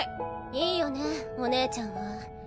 いいよねお姉ちゃんは